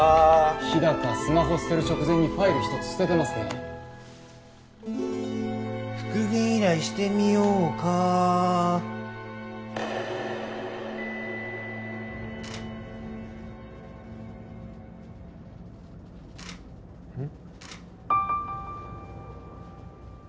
日高スマホ捨てる直前にファイル一つ捨ててますね復元依頼してみようかうん？